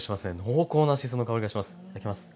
濃厚なしその香りがします。